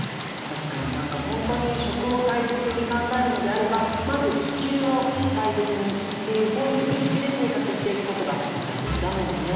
確かに何か本当に食を大切に考えるのであればまず地球を大切にっていうそういう意識で生活していくことが大切だもんね。